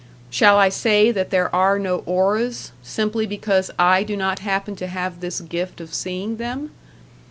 Shall I say that there are no auras, simply because I do not happen to have this gift of seeing them?